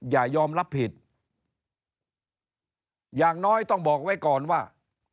อย่ายอมรับผิดอย่างน้อยต้องบอกไว้ก่อนว่า